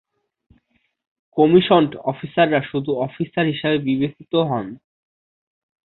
Commissioned অফিসাররা শুধু officer হিসেবে বিবেচিত হন।